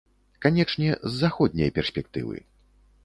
Канечне, з заходняй перспектывы.